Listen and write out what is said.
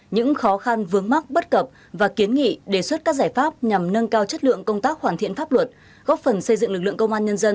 những khó khăn vướng mắc bất cập và kiến nghị đề xuất các giải pháp nhằm nâng cao chất lượng công tác hoàn thiện pháp luật góp phần xây dựng lực lượng công an nhân dân